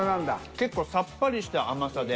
結構さっぱりした甘さで。